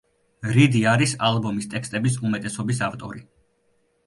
რიდი არის ალბომის ტექსტების უმეტესობის ავტორი.